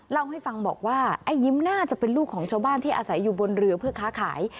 เล่าให้ฟังบอกว่าไอ้ยิ้มน่าจะเป็นลูกของชาวบ้านที่อาศัยอยู่บนเรือเพื่อค้าขาย